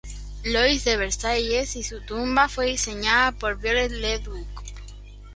Louis de Versailles y su tumba fue diseñada por Viollet-le-Duc.